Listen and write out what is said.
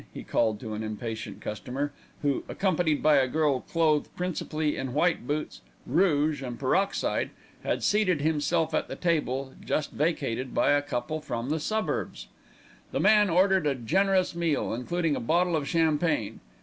he called to an impatient customer, who, accompanied by a girl clothed principally in white boots, rouge and peroxide, had seated himself at the table just vacated by a couple from the suburbs. The man ordered a generous meal, including a bottle of champagne.